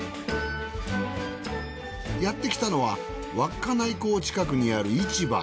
やってきたのは稚内港近くにある市場。